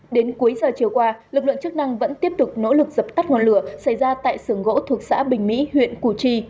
đến cuối giờ chiều qua lực lượng chức năng vẫn tiếp tục nỗ lực dập tắt ngọn lửa xảy ra tại sưởng gỗ thuộc xã bình mỹ huyện củ chi